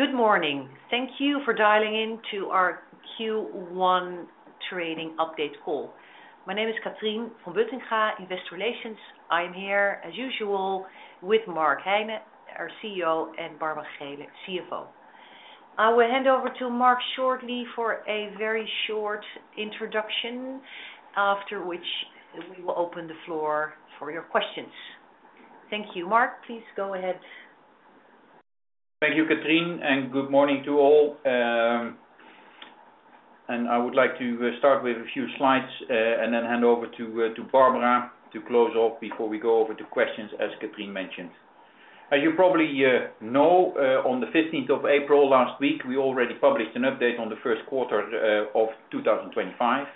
Good morning. Thank you for dialing into our Q1 trading update call. My name is Catrien van Buttingha in Investor Relations. I am here, as usual, with Mark Heine, our CEO, and Barbara Geelen, CFO. I will hand over to Mark shortly for a very short introduction, after which we will open the floor for your questions. Thank you, Mark. Please go ahead. Thank you, Catrien, and good morning to all. I would like to start with a few slides and then hand over to Barbara to close off before we go over to questions, as Catrien mentioned. As you probably know, on the 15th of April last week, we already published an update on the first quarter of 2025.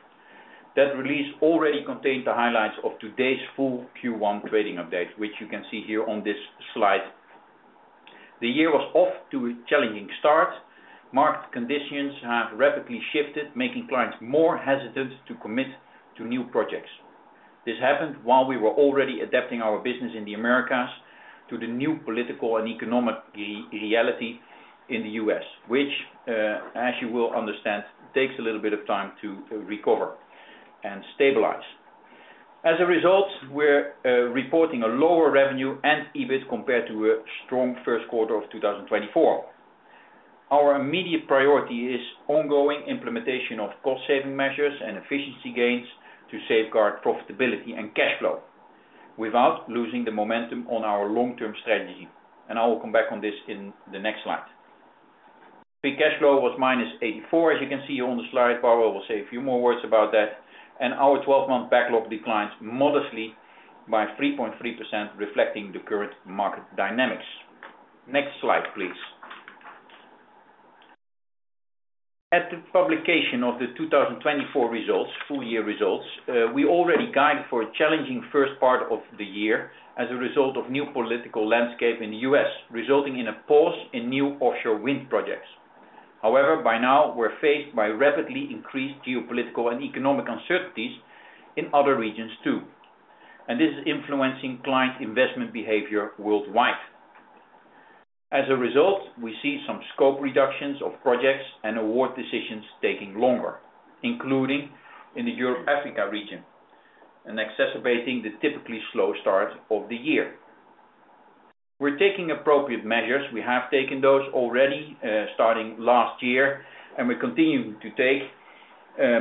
That release already contained the highlights of today's full Q1 trading update, which you can see here on this slide. The year was off to a challenging start. Market conditions have rapidly shifted, making clients more hesitant to commit to new projects. This happened while we were already adapting our business in the Americas to the new political and economic reality in the U.S., which, as you will understand, takes a little bit of time to recover and stabilize. As a result, we're reporting a lower revenue and EBIT compared to a strong first quarter of 2024. Our immediate priority is ongoing implementation of cost-saving measures and efficiency gains to safeguard profitability and cash flow without losing the momentum on our long-term strategy. I will come back on this in the next slide. Cash flow was 84 million negative, as you can see here on the slide. Barbara will say a few more words about that. Our 12-month backlog declined modestly by 3.3%, reflecting the current market dynamics. Next slide, please. At the publication of the 2024 full-year results, we already guided for a challenging first part of the year as a result of the new political landscape in the U.S., resulting in a pause in new offshore wind projects. However, by now, we're faced by rapidly increased geopolitical and economic uncertainties in other regions too. This is influencing client investment behavior worldwide. As a result, we see some scope reductions of projects and award decisions taking longer, including in the Europe/Africa region, and exacerbating the typically slow start of the year. We are taking appropriate measures. We have taken those already starting last year, and we are continuing to take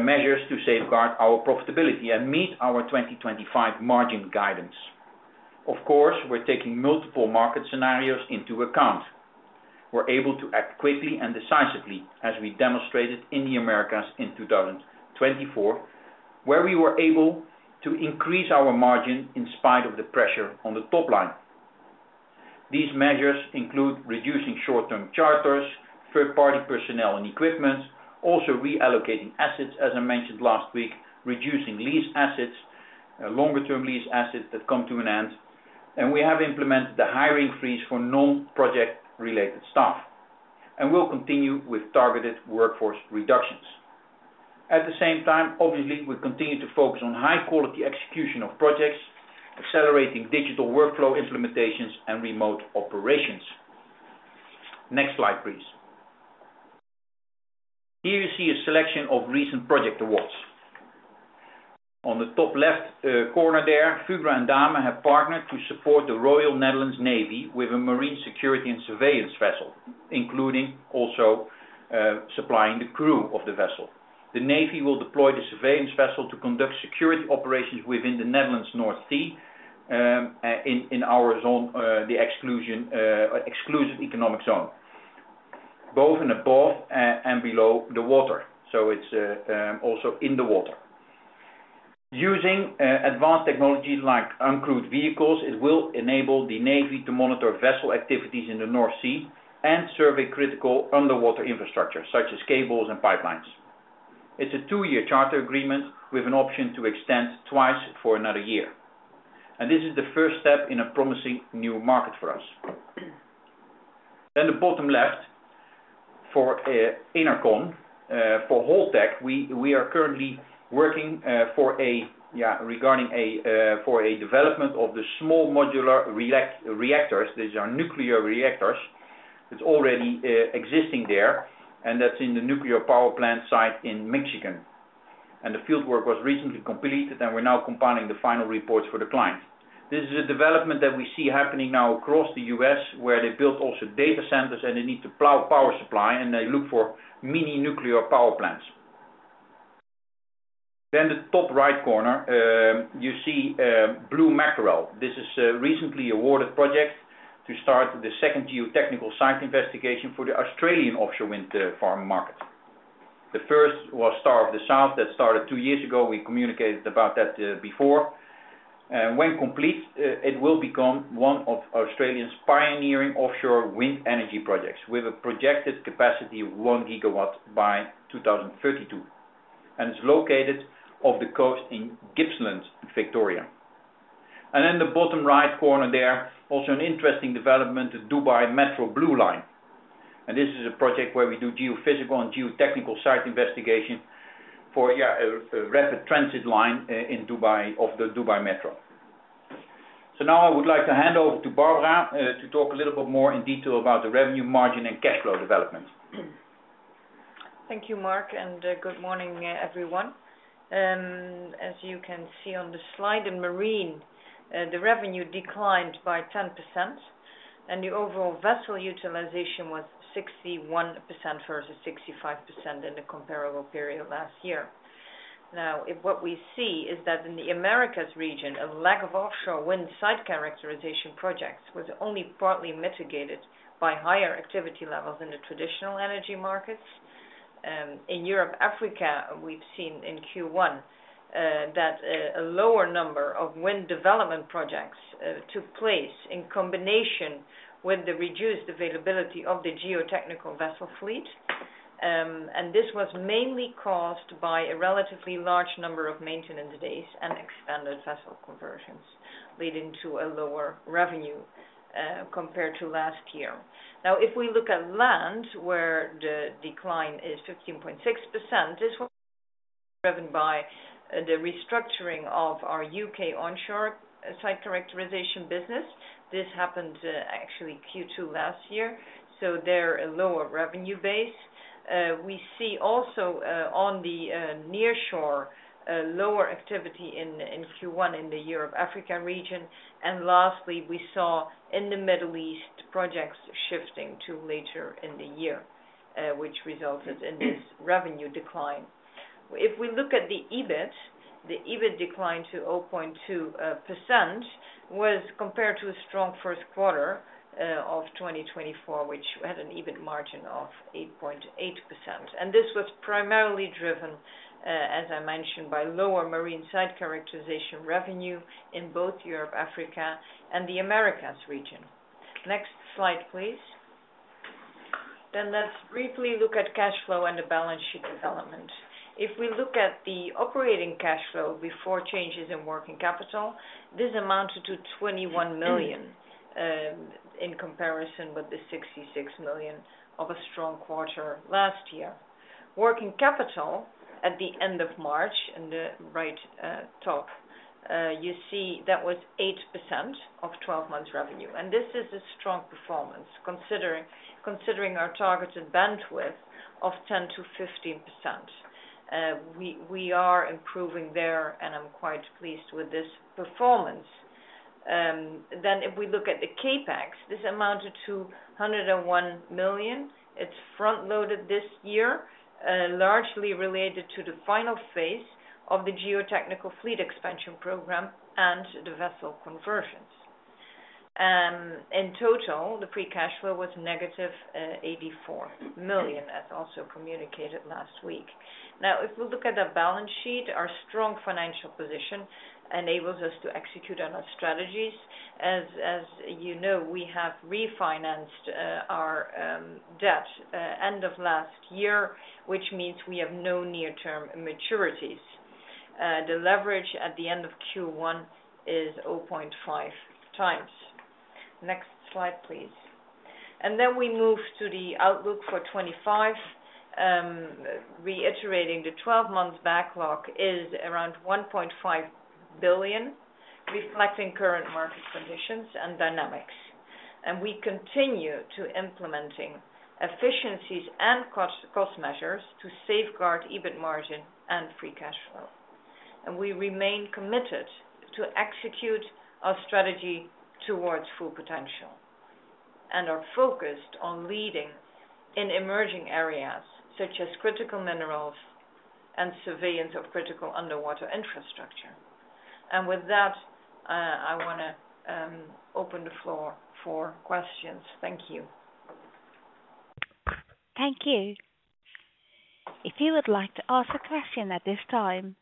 measures to safeguard our profitability and meet our 2025 margin guidance. Of course, we are taking multiple market scenarios into account. We are able to act quickly and decisively, as we demonstrated in the Americas in 2024, where we were able to increase our margin in spite of the pressure on the top line. These measures include reducing short-term charters, third-party personnel and equipment, also reallocating assets, as I mentioned last week, reducing lease assets, longer-term lease assets that come to an end. We have implemented the hiring freeze for non-project-related staff. We will continue with targeted workforce reductions. At the same time, obviously, we continue to focus on high-quality execution of projects, accelerating digital workflow implementations and remote operations. Next slide, please. Here you see a selection of recent project awards. In the top left corner there, Fugro and Damen have partnered to support the Royal Netherlands Navy with a marine security and surveillance vessel, including also supplying the crew of the vessel. The Navy will deploy the surveillance vessel to conduct security operations within the Netherlands North Sea in our zone, the exclusive economic zone, both above and below the water. It is also in the water. Using advanced technology like uncrewed vehicles, it will enable the Navy to monitor vessel activities in the North Sea and survey critical underwater infrastructure, such as cables and pipelines. It is a two-year charter agreement with an option to extend twice for another year. This is the first step in a promising new market for us. In the bottom left for Enercon for Holtec, we are currently working regarding a development of the small modular reactors. These are nuclear reactors. It's already existing there, and that's in the nuclear power plant site in Michigan. The fieldwork was recently completed, and we're now compiling the final reports for the client. This is a development that we see happening now across the U.S., where they build also data centers and they need to plow power supply, and they look for mini nuclear power plants. In the top right corner, you see Blue Mackerel. This is a recently awarded project to start the second geotechnical site investigation for the Australian offshore wind farm market. The first was Star of the South that started two years ago. We communicated about that before. When complete, it will become one of Australia's pioneering offshore wind energy projects with a projected capacity of 1 gigawatt by 2032. It is located off the coast in Gippsland, Victoria. In the bottom right corner there, also an interesting development, the Dubai Metro Blue Line. This is a project where we do geophysical and geotechnical site investigation for a rapid transit line in Dubai of the Dubai Metro. I would like to hand over to Barbara to talk a little bit more in detail about the revenue margin and cash flow development. Thank you, Mark, and good morning, everyone. As you can see on the slide in Marine, the revenue declined by 10%, and the overall vessel utilization was 61% versus 65% in the comparable period last year. Now, what we see is that in the Americas region, a lack of offshore wind site characterization projects was only partly mitigated by higher activity levels in the traditional energy markets. In Europe/Africa, we've seen in Q1 that a lower number of wind development projects took place in combination with the reduced availability of the geotechnical vessel fleet. This was mainly caused by a relatively large number of maintenance days and expanded vessel conversions, leading to a lower revenue compared to last year. Now, if we look at Land, where the decline is 15.6%, this was driven by the restructuring of our U.K. onshore site characterization business. This happened actually Q2 last year. They are a lower revenue base. We see also on the nearshore, lower activity in Q1 in the Europe/Africa region. Lastly, we saw in the Middle East projects shifting to later in the year, which resulted in this revenue decline. If we look at the EBIT, the EBIT declined to 0.2% compared to a strong first quarter of 2024, which had an EBIT margin of 8.8%. This was primarily driven, as I mentioned, by lower marine site characterization revenue in both Europe/Africa and the Americas region. Next slide, please. Let's briefly look at cash flow and the balance sheet development. If we look at the operating cash flow before changes in working capital, this amounted to 21 million in comparison with the 66 million of a strong quarter last year. Working capital at the end of March, in the right top, you see that was 8% of 12 months revenue. This is a strong performance considering our targeted bandwidth of 10-15%. We are improving there, and I'm quite pleased with this performance. If we look at the CapEx, this amounted to 101 million. It's front-loaded this year, largely related to the final phase of the geotechnical fleet expansion program and the vessel conversions. In total, the Free Cash Flow was negative 84 million, as also communicated last week. If we look at the balance sheet, our strong financial position enables us to execute on our strategies. As you know, we have refinanced our debt end of last year, which means we have no near-term maturities. The leverage at the end of Q1 is 0.5 times. Next slide, please. We move to the outlook for 2025. Reiterating, the 12-month backlog is around 1.5 billion, reflecting current market conditions and dynamics. We continue to implement efficiencies and cost measures to safeguard EBIT margin and free cash flow. We remain committed to execute our strategy towards full potential and are focused on leading in emerging areas such as critical minerals and surveillance of critical underwater infrastructure. With that, I want to open the floor for questions. Thank you. Thank you. If you would like to ask a question at this time,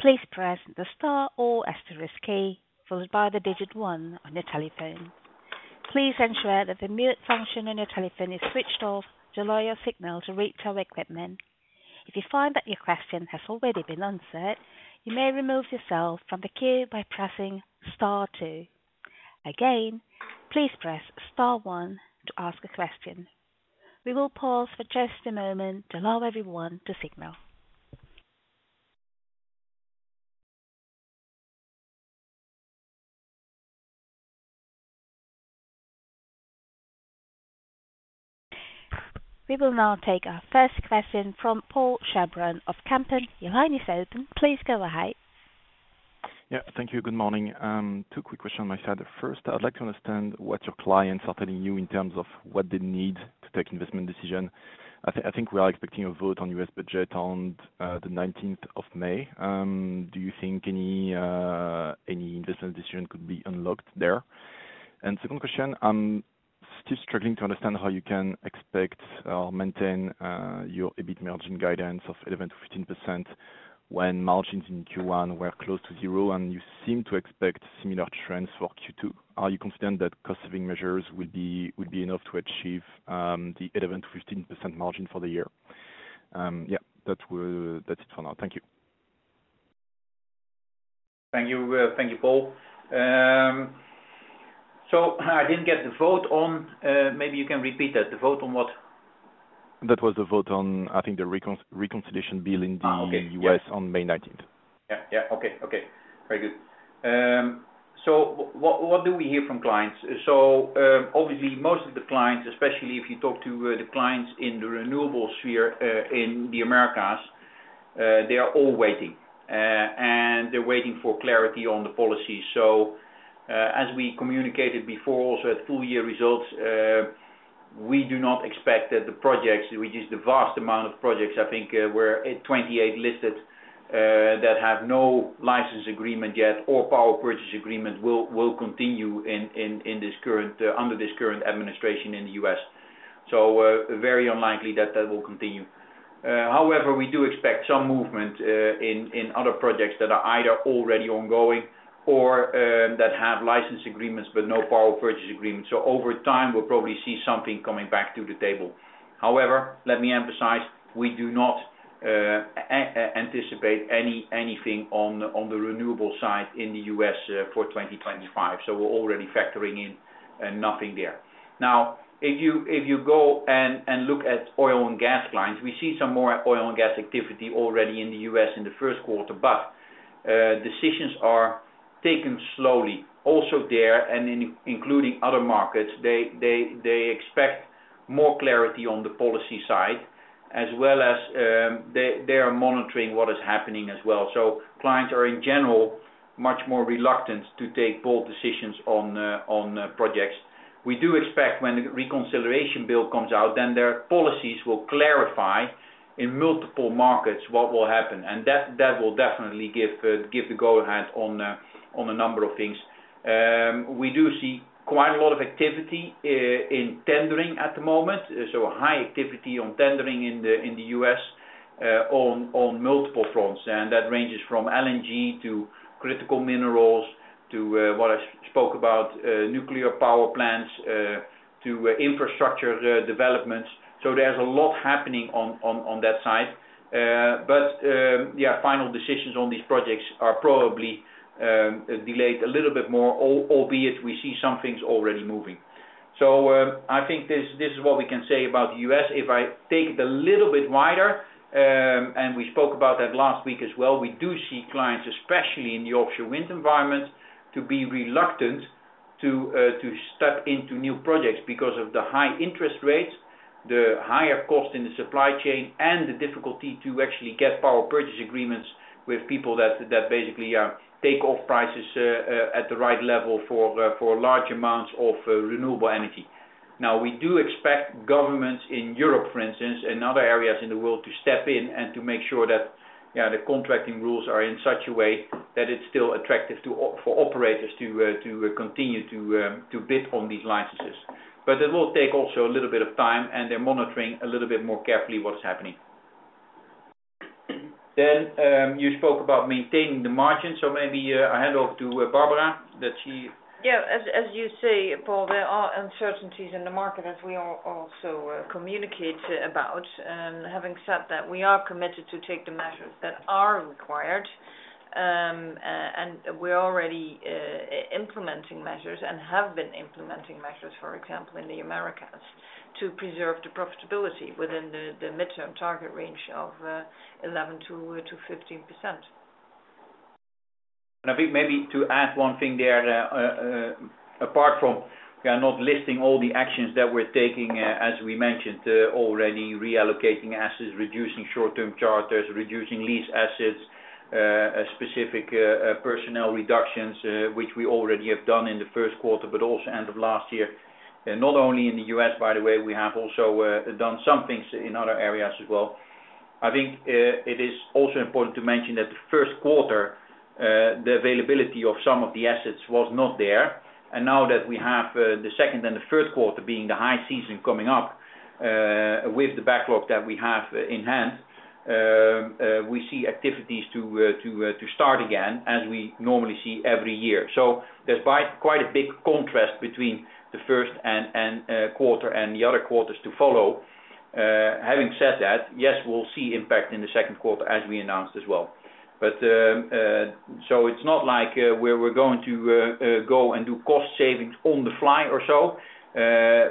please press the star or asterisk key followed by the digit one on your telephone. Please ensure that the mute function on your telephone is switched off to allow your signal to reach our equipment. If you find that your question has already been answered, you may remove yourself from the queue by pressing star two. Again, please press star one to ask a question. We will pause for just a moment to allow everyone to signal. We will now take our first question from Paul Chéron of Kepler. Your line is open. Please go ahead. Yeah, thank you. Good morning. Two quick questions on my side. First, I'd like to understand what your clients are telling you in terms of what they need to take investment decision. I think we are expecting a vote on U.S. budget on the 19th of May. Do you think any investment decision could be unlocked there? Second question, I'm still struggling to understand how you can expect or maintain your EBIT margin guidance of 11-15% when margins in Q1 were close to zero, and you seem to expect similar trends for Q2. Are you confident that cost-saving measures will be enough to achieve the 11-15% margin for the year? Yeah, that's it for now. Thank you. Thank you, Paul. I did not get the vote on, maybe you can repeat that, the vote on what? That was the vote on, I think, the reconciliation bill in the U.S. on May 19th. Yeah, yeah. Okay, okay. Very good. What do we hear from clients? Obviously, most of the clients, especially if you talk to the clients in the renewable sphere in the Americas, they are all waiting. They're waiting for clarity on the policy. As we communicated before also at full-year results, we do not expect that the projects, which is the vast amount of projects, I think we're at 28 listed that have no license agreement yet or power purchase agreement, will continue under this current administration in the U.S. Very unlikely that that will continue. However, we do expect some movement in other projects that are either already ongoing or that have license agreements but no power purchase agreements. Over time, we'll probably see something coming back to the table. However, let me emphasize, we do not anticipate anything on the renewable side in the U.S. for 2025. We are already factoring in nothing there. Now, if you go and look at oil and gas lines, we see some more oil and gas activity already in the U.S. in the first quarter, but decisions are taken slowly. Also there, and including other markets, they expect more clarity on the policy side, as well as they are monitoring what is happening as well. Clients are in general much more reluctant to take bold decisions on projects. We do expect when the reconciliation bill comes out, their policies will clarify in multiple markets what will happen. That will definitely give the go-ahead on a number of things. We do see quite a lot of activity in tendering at the moment. High activity on tendering in the U.S. on multiple fronts. That ranges from LNG to critical minerals to what I spoke about, nuclear power plants to infrastructure developments. There is a lot happening on that side. Final decisions on these projects are probably delayed a little bit more, albeit we see some things already moving. I think this is what we can say about the U.S. If I take it a little bit wider, and we spoke about that last week as well, we do see clients, especially in the offshore wind environment, to be reluctant to step into new projects because of the high interest rates, the higher cost in the supply chain, and the difficulty to actually get power purchase agreements with people that basically take off prices at the right level for large amounts of renewable energy. Now, we do expect governments in Europe, for instance, and other areas in the world to step in and to make sure that the contracting rules are in such a way that it's still attractive for operators to continue to bid on these licenses. It will take also a little bit of time, and they're monitoring a little bit more carefully what's happening. You spoke about maintaining the margin. Maybe I hand over to Barbara that she. Yeah. As you see, Paul, there are uncertainties in the market, as we also communicate about. Having said that, we are committed to take the measures that are required, and we're already implementing measures and have been implementing measures, for example, in the Americas to preserve the profitability within the midterm target range of 11-15%. I think maybe to add one thing there, apart from we are not listing all the actions that we're taking, as we mentioned already, reallocating assets, reducing short-term charters, reducing lease assets, specific personnel reductions, which we already have done in the first quarter, but also end of last year. Not only in the U.S., by the way, we have also done some things in other areas as well. I think it is also important to mention that the first quarter, the availability of some of the assets was not there. Now that we have the second and the third quarter being the high season coming up with the backlog that we have in hand, we see activities to start again as we normally see every year. There is quite a big contrast between the first quarter and the other quarters to follow. Having said that, yes, we'll see impact in the second quarter as we announced as well. It is not like we're going to go and do cost savings on the fly or so.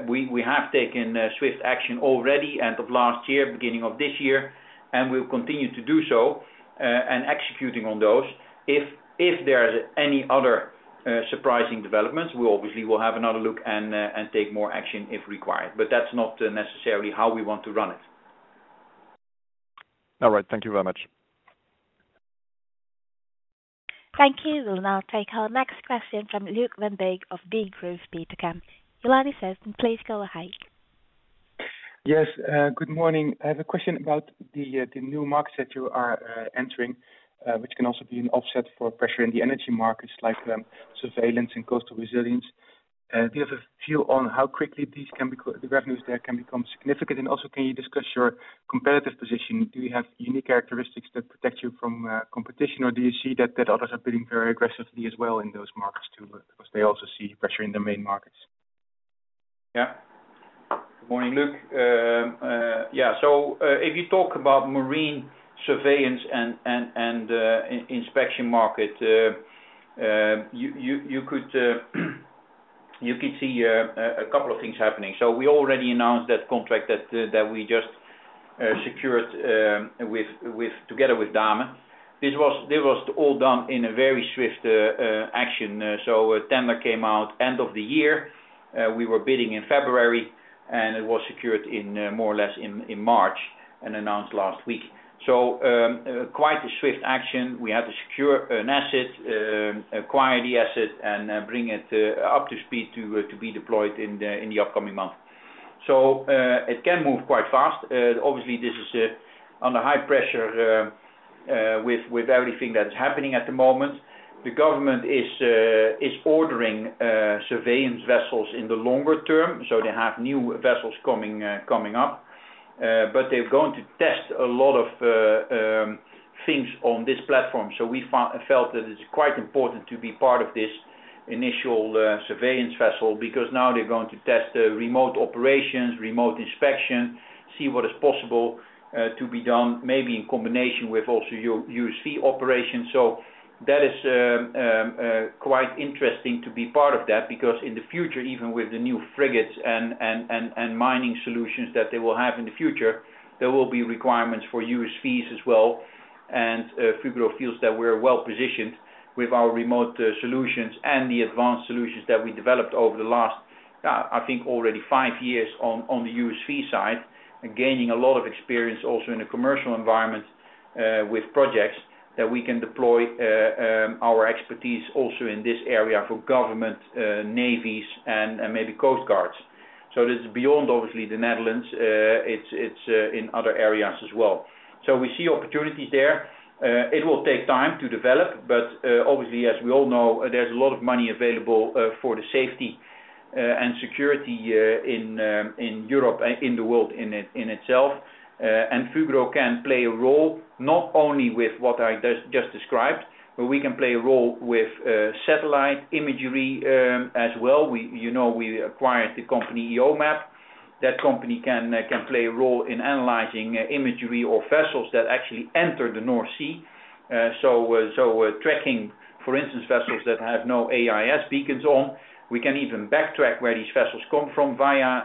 We have taken swift action already end of last year, beginning of this year, and we'll continue to do so and executing on those. If there are any other surprising developments, we obviously will have another look and take more action if required. That is not necessarily how we want to run it. All right. Thank you very much. Thank you. We'll now take our next question from Luuk van Beek of Degroof Petercam. Your line is open, please go ahead. Yes. Good morning. I have a question about the new markets that you are entering, which can also be an offset for pressure in the energy markets like surveillance and coastal resilience. Do you have a view on how quickly these can be the revenues there can become significant? Also, can you discuss your competitive position? Do you have unique characteristics that protect you from competition, or do you see that others are bidding very aggressively as well in those markets too because they also see pressure in the main markets? Yeah. Good morning, Luuk. Yeah. If you talk about marine surveillance and inspection market, you could see a couple of things happening. We already announced that contract that we just secured together with Damen. This was all done in a very swift action. The tender came out end of the year. We were bidding in February, and it was secured more or less in March and announced last week. Quite a swift action. We had to secure an asset, acquire the asset, and bring it up to speed to be deployed in the upcoming month. It can move quite fast. Obviously, this is under high pressure with everything that's happening at the moment. The government is ordering surveillance vessels in the longer term. They have new vessels coming up. They're going to test a lot of things on this platform. We felt that it's quite important to be part of this initial surveillance vessel because now they're going to test remote operations, remote inspection, see what is possible to be done, maybe in combination with also USV operations. That is quite interesting to be part of that because in the future, even with the new frigates and mining solutions that they will have in the future, there will be requirements for USVs as well. Fugro feels that we're well positioned with our remote solutions and the advanced solutions that we developed over the last, I think, already five years on the USV side, gaining a lot of experience also in the commercial environment with projects that we can deploy our expertise also in this area for government, navies, and maybe coast guards. It's beyond obviously the Netherlands. It's in other areas as well. We see opportunities there. It will take time to develop. Obviously, as we all know, there is a lot of money available for safety and security in Europe and in the world itself. Fugro can play a role not only with what I just described, but we can play a role with satellite imagery as well. We acquired the company EOMAP. That company can play a role in analyzing imagery or vessels that actually enter the North Sea. Tracking, for instance, vessels that have no AIS beacons on. We can even backtrack where these vessels come from via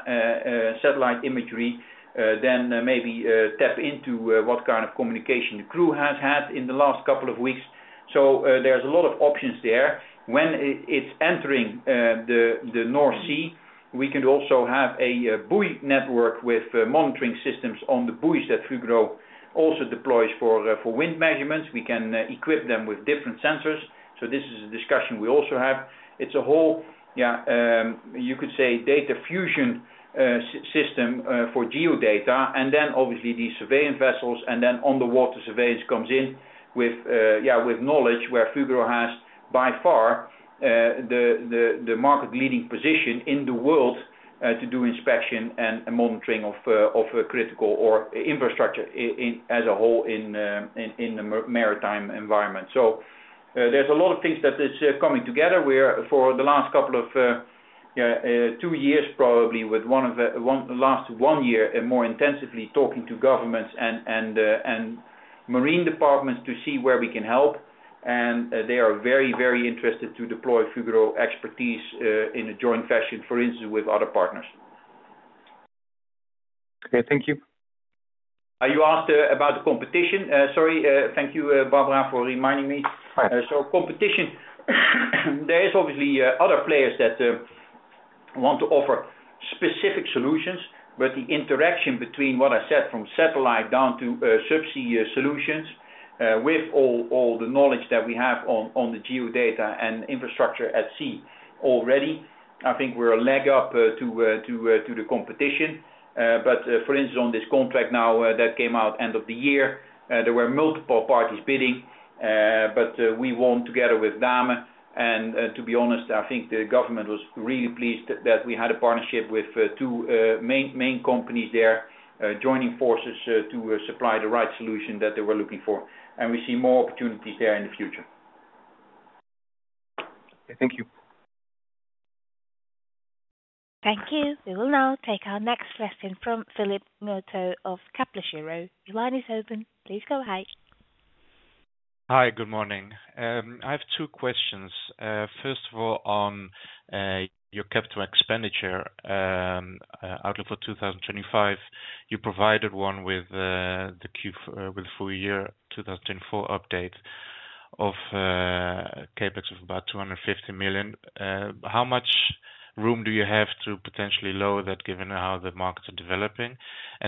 satellite imagery, then maybe tap into what kind of communication the crew has had in the last couple of weeks. There are a lot of options there. When it's entering the North Sea, we can also have a buoy network with monitoring systems on the buoys that Fugro also deploys for wind measurements. We can equip them with different sensors. This is a discussion we also have. It's a whole, yeah, you could say data fusion system for geodata. Obviously these surveillance vessels and then underwater surveillance comes in with knowledge where Fugro has by far the market-leading position in the world to do inspection and monitoring of critical or infrastructure as a whole in the maritime environment. There are a lot of things that are coming together where for the last couple of two years probably, with one last one year more intensively talking to governments and marine departments to see where we can help. They are very, very interested to deploy Fugro expertise in a joint fashion, for instance, with other partners. Okay. Thank you. Are you asked about the competition? Sorry. Thank you, Barbara, for reminding me. Competition, there is obviously other players that want to offer specific solutions. The interaction between what I said from satellite down to subsea solutions with all the knowledge that we have on the geo-data and infrastructure at sea already, I think we are a leg up to the competition. For instance, on this contract now that came out end of the year, there were multiple parties bidding. We won together with Damen. To be honest, I think the government was really pleased that we had a partnership with two main companies there, joining forces to supply the right solution that they were looking for. We see more opportunities there in the future. Okay. Thank you. Thank you. We will now take our next question from Philip Ngotho of Kepler Cheuvreux. The line is open. Please go ahead. Hi. Good morning. I have two questions. First of all, on your capital expenditure outlook for 2025, you provided one with the full year 2024 update of CapEx of about 250 million. How much room do you have to potentially lower that given how the markets are developing?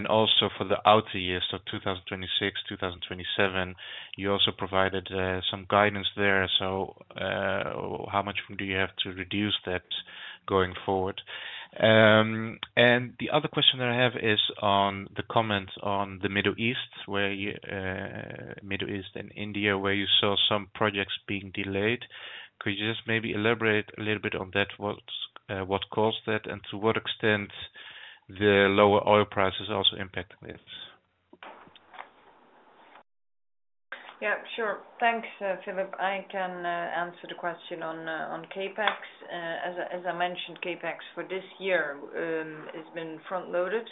Also for the outer years, so 2026, 2027, you also provided some guidance there. How much room do you have to reduce that going forward? The other question that I have is on the comments on the Middle East, where you, Middle East and India, where you saw some projects being delayed. Could you just maybe elaborate a little bit on that? What caused that? To what extent did the lower oil prices also impact this? Yeah. Sure. Thanks, Philip. I can answer the question on CapEx. As I mentioned, CapEx for this year has been front-loaded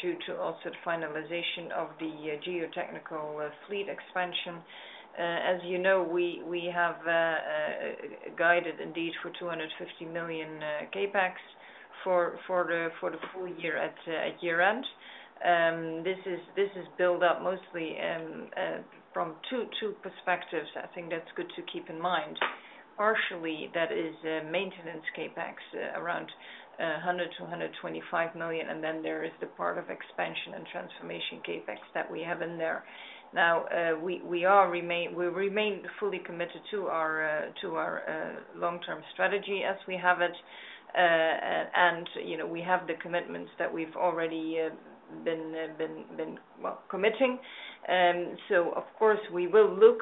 due to also the finalization of the geotechnical fleet expansion. As you know, we have guided indeed for 250 million CapEx for the full year at year-end. This is built up mostly from two perspectives. I think that's good to keep in mind. Partially, that is maintenance CapEx around 100-125 million. And then there is the part of expansion and transformation CapEx that we have in there. Now, we remain fully committed to our long-term strategy as we have it. We have the commitments that we've already been committing. Of course, we will look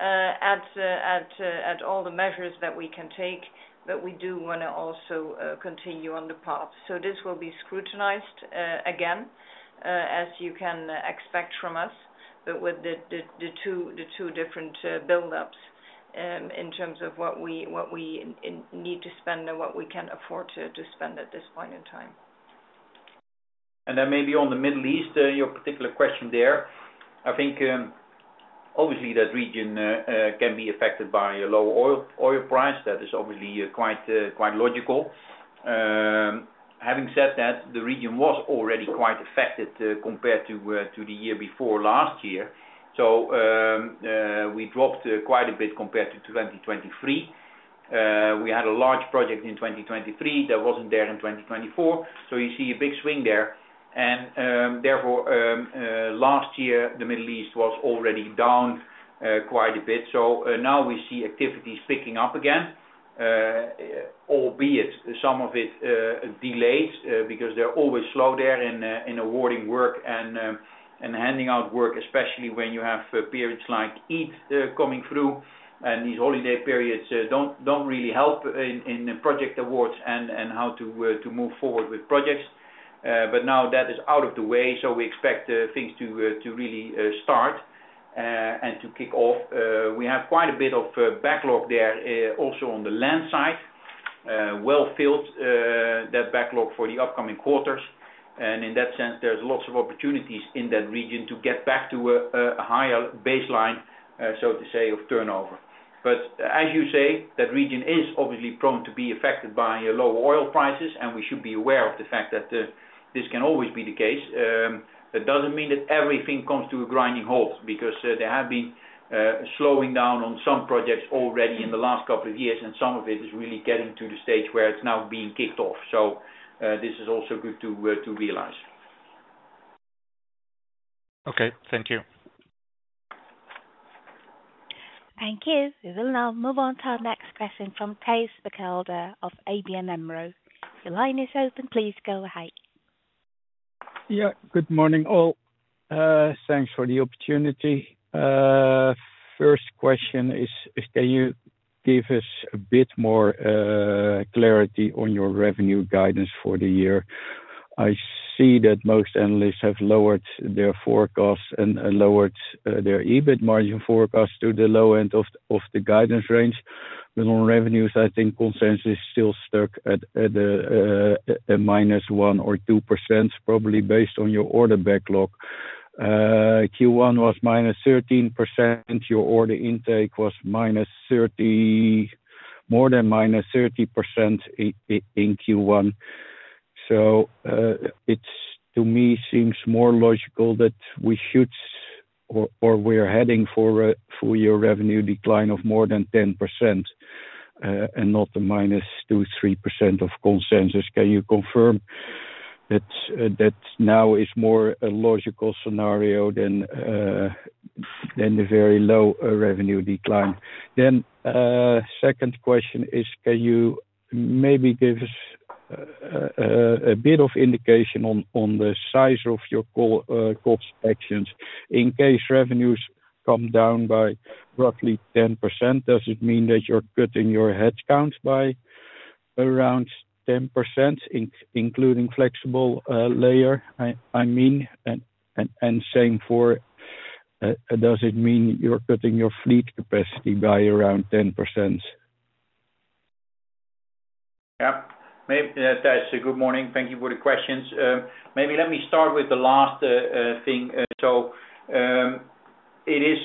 at all the measures that we can take. We do want to also continue on the path. This will be scrutinized again, as you can expect from us, but with the two different buildups in terms of what we need to spend and what we can afford to spend at this point in time. Maybe on the Middle East, your particular question there, I think obviously that region can be affected by low oil price. That is obviously quite logical. Having said that, the region was already quite affected compared to the year before last year. We dropped quite a bit compared to 2023. We had a large project in 2023 that was not there in 2024. You see a big swing there. Therefore, last year, the Middle East was already down quite a bit. Now we see activities picking up again, albeit some of it delayed because they are always slow there in awarding work and handing out work, especially when you have periods like Eid coming through. These holiday periods do not really help in project awards and how to move forward with projects. Now that is out of the way. We expect things to really start and to kick off. We have quite a bit of backlog there also on the land side, well filled that backlog for the upcoming quarters. In that sense, there are lots of opportunities in that region to get back to a higher baseline, so to say, of turnover. As you say, that region is obviously prone to be affected by low oil prices. We should be aware of the fact that this can always be the case. It does not mean that everything comes to a grinding halt because there have been slowing down on some projects already in the last couple of years. Some of it is really getting to the stage where it is now being kicked off. This is also good to realize. Okay. Thank you. Thank you. We will now move on to our next question from Thijs Berkelder of ABN AMRO. The line is open. Please go ahead. Yeah. Good morning all. Thanks for the opportunity. First question is, can you give us a bit more clarity on your revenue guidance for the year? I see that most analysts have lowered their forecasts and lowered their EBIT margin forecast to the low end of the guidance range. On revenues, I think consensus still stuck at a minus 1 or 2%, probably based on your order backlog. Q1 was minus 13%. Your order intake was more than minus 30% in Q1. It to me seems more logical that we should or we're heading for a full year revenue decline of more than 10% and not a minus 2-3% of consensus. Can you confirm that now is more a logical scenario than the very low revenue decline? Second question is, can you maybe give us a bit of indication on the size of your cost actions? In case revenues come down by roughly 10%, does it mean that you're cutting your headcounts by around 10%, including flexible layer, I mean? Same for, does it mean you're cutting your fleet capacity by around 10%? Yep. Thijs, good morning. Thank you for the questions. Maybe let me start with the last thing. It is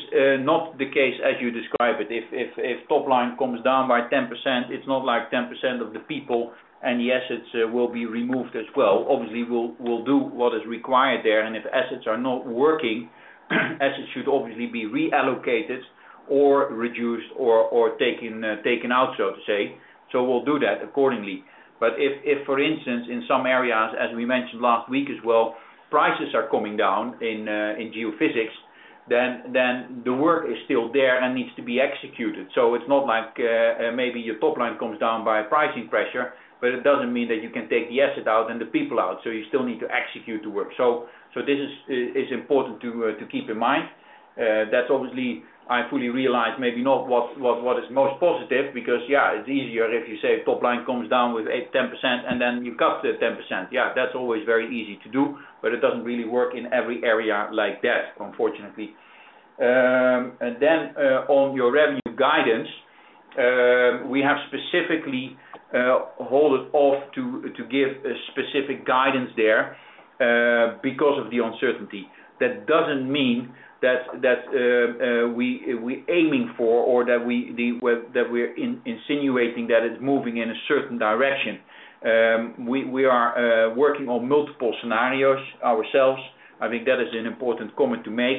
not the case as you describe it. If top line comes down by 10%, it's not like 10% of the people and the assets will be removed as well. Obviously, we'll do what is required there. If assets are not working, assets should obviously be reallocated or reduced or taken out, so to say. We'll do that accordingly. If, for instance, in some areas, as we mentioned last week as well, prices are coming down in geophysics, then the work is still there and needs to be executed. It's not like maybe your top line comes down by pricing pressure, but it doesn't mean that you can take the asset out and the people out. You still need to execute the work. This is important to keep in mind. That's obviously, I fully realize, maybe not what is most positive because, yeah, it's easier if you say top line comes down with 8-10%, and then you cut the 10%. Yeah, that's always very easy to do. It doesn't really work in every area like that, unfortunately. On your revenue guidance, we have specifically held off to give a specific guidance there because of the uncertainty. That doesn't mean that we're aiming for or that we're insinuating that it's moving in a certain direction. We are working on multiple scenarios ourselves. I think that is an important comment to make.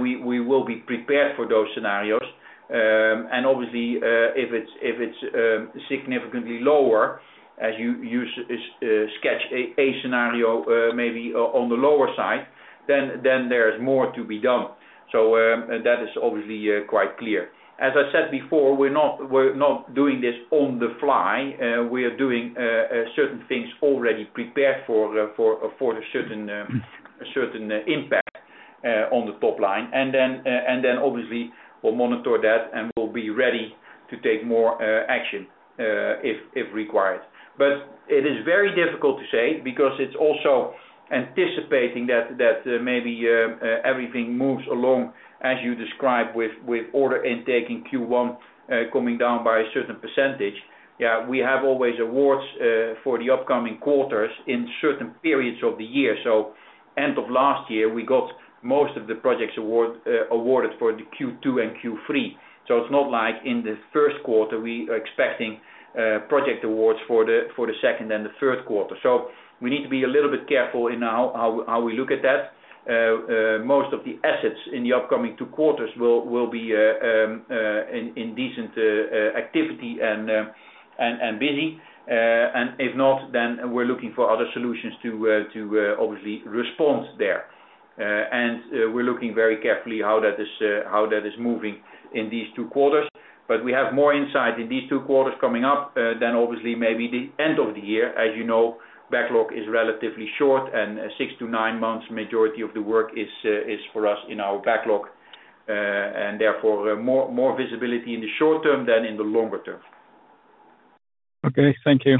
We will be prepared for those scenarios. Obviously, if it's significantly lower, as you sketch a scenario maybe on the lower side, then there is more to be done. That is obviously quite clear. As I said before, we're not doing this on the fly. We are doing certain things already prepared for a certain impact on the top line. Then obviously, we'll monitor that and we'll be ready to take more action if required. It is very difficult to say because it's also anticipating that maybe everything moves along as you described with order intake in Q1 coming down by a certain %. We have always awards for the upcoming quarters in certain periods of the year. End of last year, we got most of the projects awarded for Q2 and Q3. It is not like in the first quarter, we are expecting project awards for the second and the third quarter. We need to be a little bit careful in how we look at that. Most of the assets in the upcoming two quarters will be in decent activity and busy. If not, then we're looking for other solutions to obviously respond there. We're looking very carefully how that is moving in these two quarters. We have more insight in these two quarters coming up than obviously maybe the end of the year. As you know, backlog is relatively short. Six to nine months, majority of the work is for us in our backlog. Therefore, more visibility in the short term than in the longer term. Okay. Thank you.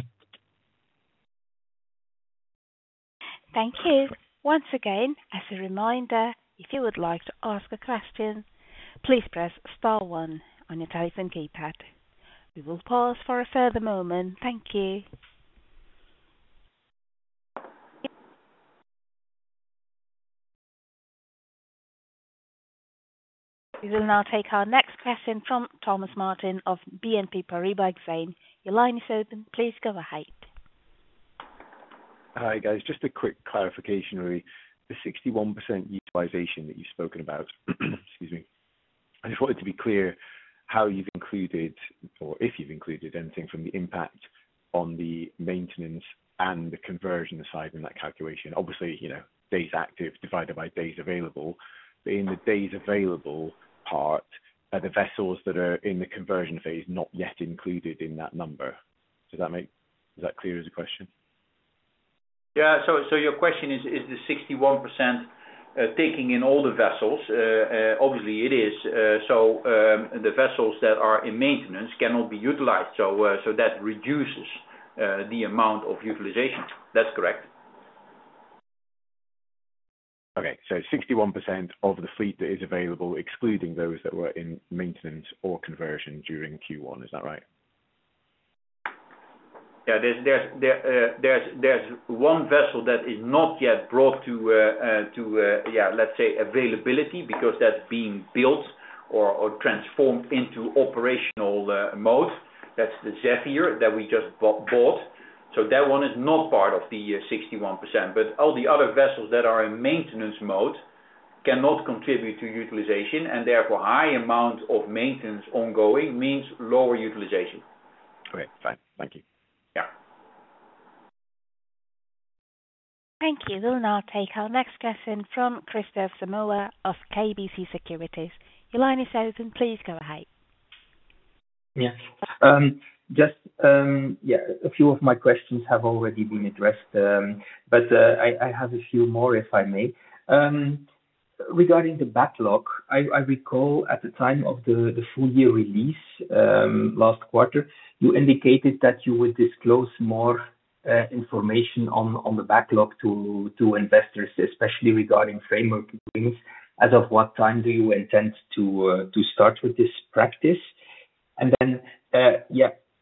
Thank you. Once again, as a reminder, if you would like to ask a question, please press star one on your telephone keypad. We will pause for a further moment. Thank you. We will now take our next question from Thomas Martin of BNP Paribas Exane. Your line is open. Please go ahead. Hi guys. Just a quick clarification on the 61% utilization that you've spoken about. Excuse me. I just wanted to be clear how you've included or if you've included anything from the impact on the maintenance and the conversion side in that calculation. Obviously, days active divided by days available. In the days available part, are the vessels that are in the conversion phase not yet included in that number? Does that make, is that clear as a question? Yeah. Your question is, is the 61% taking in all the vessels? Obviously, it is. The vessels that are in maintenance cannot be utilized. That reduces the amount of utilization. That's correct. Okay. So 61% of the fleet that is available, excluding those that were in maintenance or conversion during Q1. Is that right? Yeah. There is one vessel that is not yet brought to, yeah, let's say, availability because that is being built or transformed into operational mode. That is the Zephyr that we just bought. That one is not part of the 61%. All the other vessels that are in maintenance mode cannot contribute to utilization. Therefore, high amount of maintenance ongoing means lower utilization. Okay. Fine. Thank you. Yeah. Thank you. We'll now take our next question from Kristof Samoy of KBC Securities. Your line is open. Please go ahead. Yeah. Just, yeah, a few of my questions have already been addressed. I have a few more if I may. Regarding the backlog, I recall at the time of the full year release last quarter, you indicated that you would disclose more information on the backlog to investors, especially regarding framework things. As of what time do you intend to start with this practice?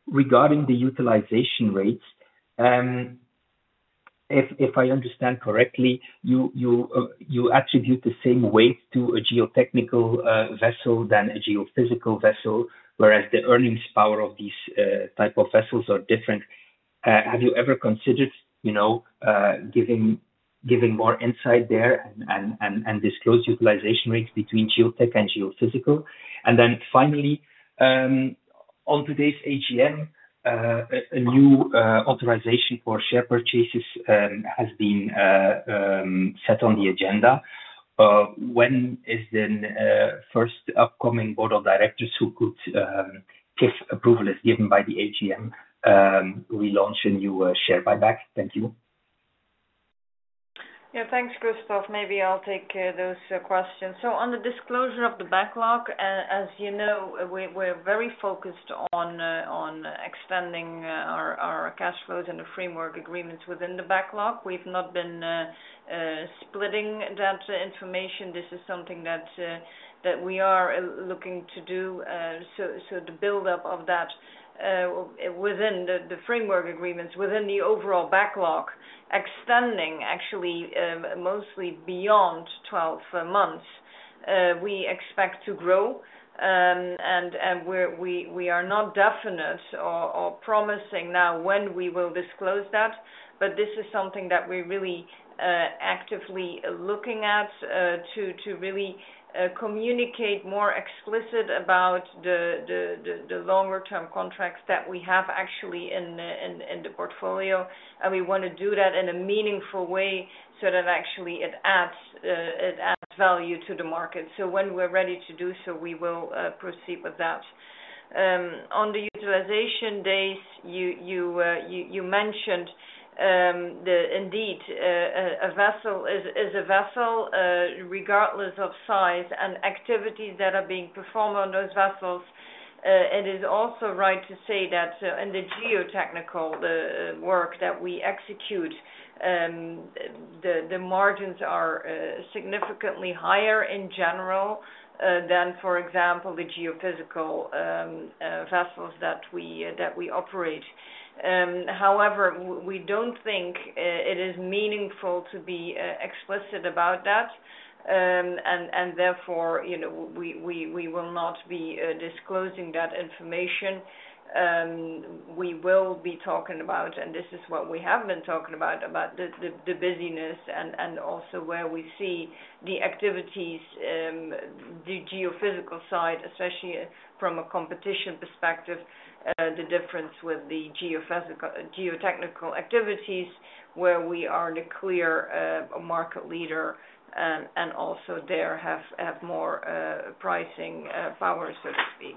Regarding the utilization rates, if I understand correctly, you attribute the same weight to a geotechnical vessel than a geophysical vessel, whereas the earnings power of these type of vessels are different. Have you ever considered giving more insight there and disclose utilization rates between geotech and geophysical? Finally, on today's AGM, a new authorization for share purchases has been set on the agenda. When is the first upcoming board of directors who could give approval is given by the AGM, we launch a new share buyback? Thank you. Yeah. Thanks, Kristof. Maybe I'll take those questions. On the disclosure of the backlog, as you know, we're very focused on extending our cash flows and the framework agreements within the backlog. We've not been splitting that information. This is something that we are looking to do. The buildup of that within the framework agreements, within the overall backlog, extending actually mostly beyond 12 months, we expect to grow. We are not definite or promising now when we will disclose that. This is something that we're really actively looking at to really communicate more explicit about the longer-term contracts that we have actually in the portfolio. We want to do that in a meaningful way so that actually it adds value to the market. When we're ready to do so, we will proceed with that. On the utilization days, you mentioned that indeed a vessel is a vessel regardless of size and activities that are being performed on those vessels. It is also right to say that in the geotechnical work that we execute, the margins are significantly higher in general than, for example, the geophysical vessels that we operate. However, we do not think it is meaningful to be explicit about that. Therefore, we will not be disclosing that information. We will be talking about, and this is what we have been talking about, the busyness and also where we see the activities, the geophysical side, especially from a competition perspective, the difference with the geotechnical activities where we are the clear market leader and also there have more pricing power, so to speak.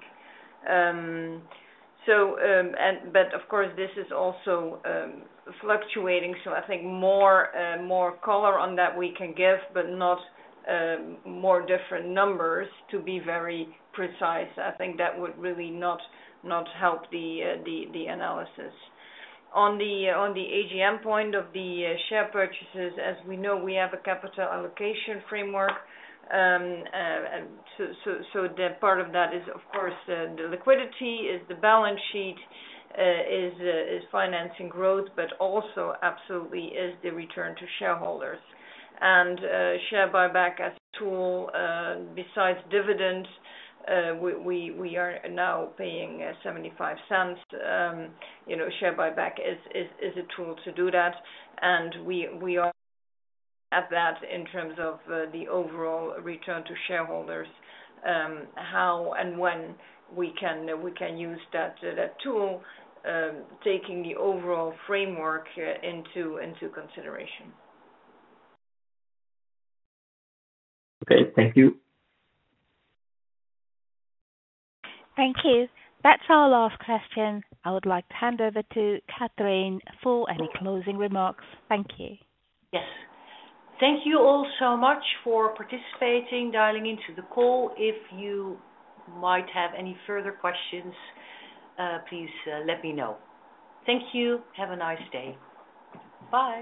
Of course, this is also fluctuating. I think more color on that we can give, but not more different numbers to be very precise. I think that would really not help the analysis. On the AGM point of the share purchases, as we know, we have a capital allocation framework. Part of that is, of course, the liquidity, is the balance sheet, is financing growth, but also absolutely is the return to shareholders. Share buyback as a tool, besides dividends, we are now paying $0.75. Share buyback is a tool to do that. We are at that in terms of the overall return to shareholders, how and when we can use that tool, taking the overall framework into consideration. Okay. Thank you. Thank you. That's our last question. I would like to hand over to Catrien for any closing remarks. Thank you. Yes. Thank you all so much for participating, dialing into the call. If you might have any further questions, please let me know. Thank you. Have a nice day. Bye.